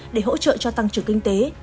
để hỗ trợ cho tăng trưởng kinh tế